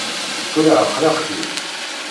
Tura εeqleɣ-k-id.